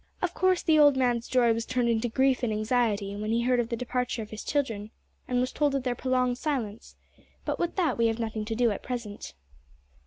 Of course the old man's joy was turned into grief and anxiety when he heard of the departure of his children and was told of their prolonged silence; but with that we have nothing to do at present.